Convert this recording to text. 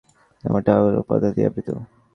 দেহ নরম, অখন্ডকায়িত এবং ম্যান্টল নামক পর্দা দিয়ে আবৃত।